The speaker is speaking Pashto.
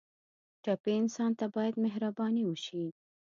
ټپي انسان ته باید مهرباني وشي.